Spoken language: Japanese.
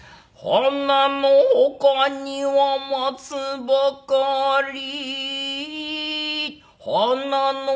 「花の外には松ばかり」